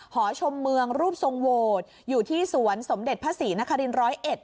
หอชมเมืองรูปทรงโหวตอยู่ที่สวนสมเด็จพระศรีนครินร้อยเอ็ด